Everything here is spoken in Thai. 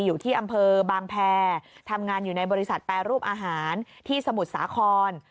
อยู่ที่อำเภอบางแพรทำงานอยู่ในบริษัทแปรรูปอาหารที่สมุทรสาคร